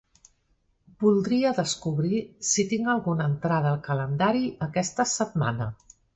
Voldria descobrir si tinc alguna entrada al calendari aquesta setmana.